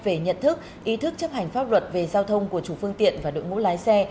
về nhận thức ý thức chấp hành pháp luật về giao thông của chủ phương tiện và đội ngũ lái xe